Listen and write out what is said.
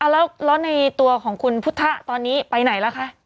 แล้วในตัวของคุณพุทธตอนนี้ไปไหนแล้วคะ